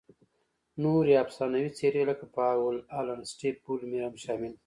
نورې افسانوي څېرې لکه پاول الن، سټیف بولمیر هم شامل دي.